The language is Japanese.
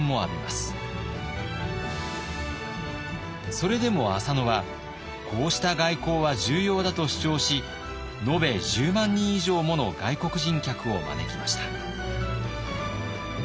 それでも浅野はこうした外交は重要だと主張し延べ１０万人以上もの外国人客を招きました。